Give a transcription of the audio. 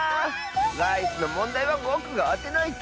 ライスのもんだいはぼくがあてないと。